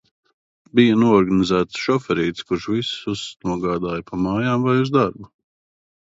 Bija noorganizēts šoferītis, kurš visus nogādāja pa mājām vai uz darbu.